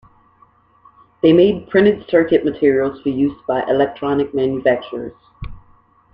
They made printed circuit materials for use by electronics manufacturers.